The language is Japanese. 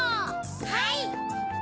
はい！